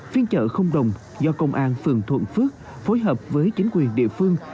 phiên chợ không đồng do công an phường thuận phước phối hợp với chính quyền địa phương